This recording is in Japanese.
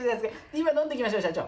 今飲んどきましょう社長。